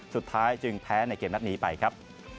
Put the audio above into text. สุดท้ายจึงแพ้ในเกมนัดนี้ไปครับ